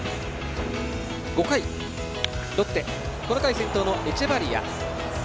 ５回、ロッテこの回先頭のエチェバリア。